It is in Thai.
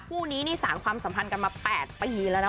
คู่นี้นี่สารความสัมพันธ์กันมา๘ปีแล้วนะ